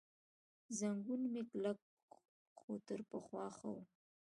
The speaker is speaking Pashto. زنګون مې کلک، خو تر پخوا ښه و.